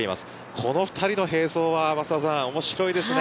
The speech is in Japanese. この２人の並走は面白いですね。